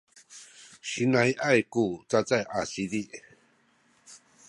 siinai’ay ku cacay a sizi